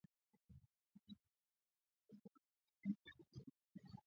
Na baadhi ya vyombo vya habari vimeripoti kwamba anaongoza mashambulizi mapya.